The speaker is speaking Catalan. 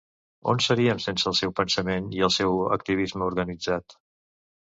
On seríem sense el seu pensament i el seu activisme organitzat?